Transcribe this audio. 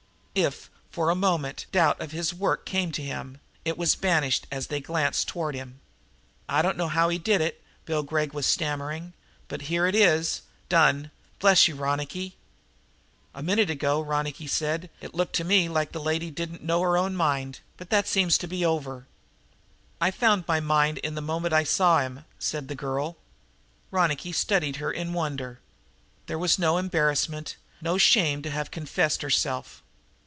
If, for a moment, doubt of his work came to him, it was banished, as they glanced toward him. "I dunno how he did it," Bill Gregg was stammering, "but here it is done! Bless you, Ronicky." "A minute ago," said Ronicky, "it looked to me like the lady didn't know her own mind, but that seems to be over." "I found my own mind the moment I saw him," said the girl. Ronicky studied her in wonder. There was no embarrassment, no shame to have confessed herself.